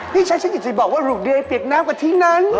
พี่ชายฉันอยากจะบอกว่าลูกเดือยเปียกน้ำกะทินั้น